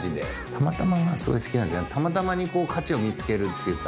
「たまたま」がすごい好きなんじゃなくて「たまたま」に価値を見つけるっていうか。